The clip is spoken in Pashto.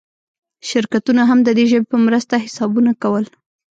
شرکتونه هم د دې ژبې په مرسته حسابونه کول.